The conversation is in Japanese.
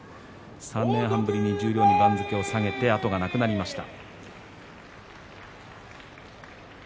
３年半ぶりに十両に番付を下げて後がなくなりました。